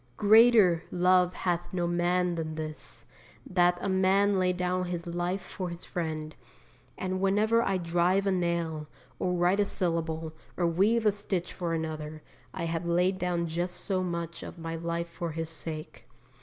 'Greater love hath no man than this, that a man lay down his life for his friend,' and whenever I drive a nail, or write a syllable, or weave a stitch for another, I have laid down just so much of my life for his sake.